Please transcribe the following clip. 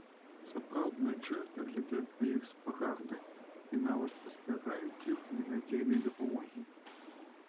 Сапраўдныя чэрці глядзяць на іх з пагардай і нават пазбягаюць іх ненадзейнай дапамогі.